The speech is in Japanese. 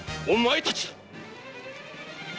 お前たちだ！